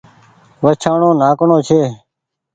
وڇآڻو ناڪڻو ڇي